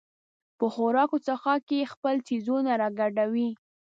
په خوراک څښاک کې خپل څیزونه راګډوي.